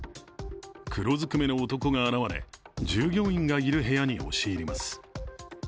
黒ずくめの男が現れ、従業員がいる部屋に押し入ります。